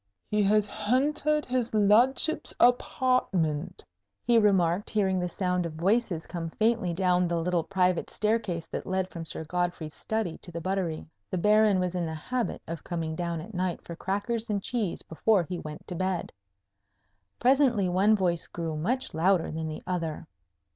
"He has hentered his ludship's apawtment," he remarked, hearing the sound of voices come faintly down the little private staircase that led from Sir Godfrey's study to the buttery: the Baron was in the habit of coming down at night for crackers and cheese before he went to bed. Presently one voice grew much louder than the other.